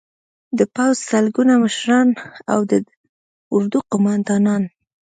د پوځ سلګونه مشران او د اردو قومندانان